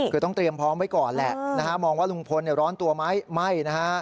คือต้องเตรียมพร้อมไว้ก่อนแหละนะฮะมองว่าลุงพลร้อนตัวไหมไม่นะฮะ